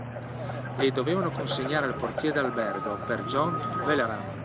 Le dovevano consegnare al portiere dell’albergo, per John Vehrehan.